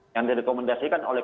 yang direkomendasikan oleh